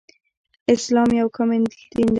اسلام يو کامل دين دی